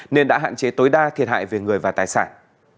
nên đã hạn chế tối đa thiệt hại về người và tài sản